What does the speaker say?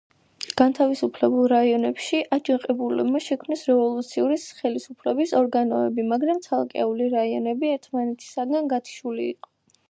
განთავისუფლებულ რაიონებში აჯანყებულებმა შექმნეს რევოლუციური ხელისუფლების ორგანოები, მაგრამ ცალკეული რაიონები ერთმანეთისაგან გათიშული იყო.